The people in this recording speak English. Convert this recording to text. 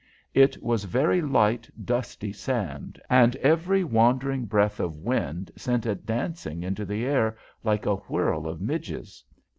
It was very light, dusty sand, and every wandering breath of wind sent it dancing into the air like a whirl of midges.